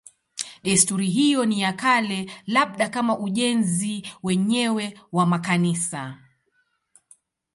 Desturi hiyo ni ya kale, labda kama ujenzi wenyewe wa makanisa.